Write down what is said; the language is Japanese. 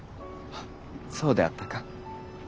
そうであったか。